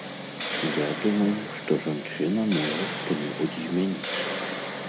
Я думаю, што жанчына можа што-небудзь змяніць.